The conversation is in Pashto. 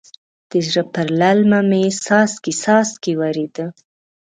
د زړه پر للمه مې څاڅکی څاڅکی ورېده.